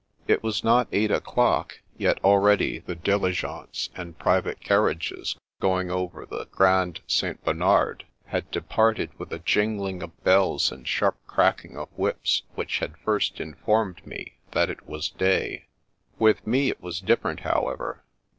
It was not eight o'clock, yet already the diligences The Making of a Mystery 9 1 and private carriages going over the Grand St. Bernard had departed with a jingling of bells and sharp cracking of whips which had first informed me that it was day. With me, it was different, how ever.